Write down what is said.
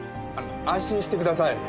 安心してください。